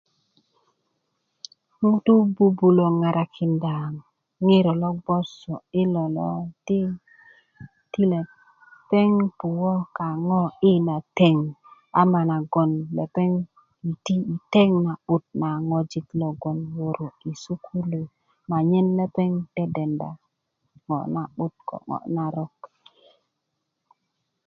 ŋutu bubilö ŋarakind ŋiro lo gboso yo lo di tilep ti lepeŋ puwo kaŋo yi ina teŋ ama nagon lepeŋ yiti' yi teŋ na'but na ŋojik logon wörö i sukulu anyen lepeŋ dedenda ŋo' na'but ko ŋo' narok